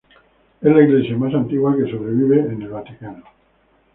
Es la iglesia más antigua que sobrevive en el Vaticano.